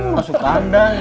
masuk kandang nek